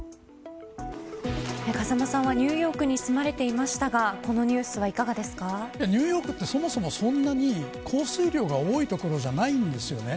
風間さんは、ニューヨークに住まれていましたがニューヨークってそもそも、そんなに降水量が多い所じゃないんです。